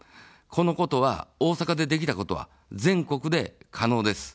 このことは、大阪でできたことは全国で可能です。